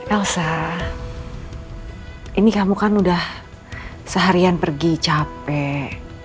elsa ini kamu kan udah seharian pergi capek